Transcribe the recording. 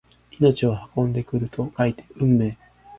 命を運んでくると書いて運命！